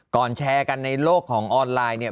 แชร์กันในโลกของออนไลน์เนี่ย